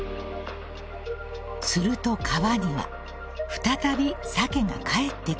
［すると川には再びサケが帰ってくるように］